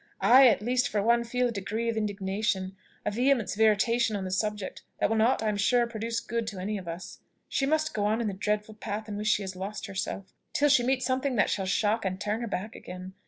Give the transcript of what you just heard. I, at least, for one, feel a degree of indignation a vehemence of irritation on the subject, that will not, I am sure, produce good to any of us. She must go on in the dreadful path in which she has lost herself, till she meet something that shall shock and turn her back again.